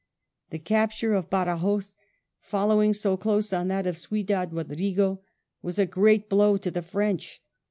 The capture of Badajos, following so close on that of Ciudad Eodrigo, was a great blow to the French.